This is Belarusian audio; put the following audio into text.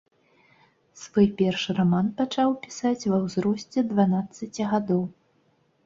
Свой першы раман пачаў пісаць ва ўзросце дванаццаці гадоў.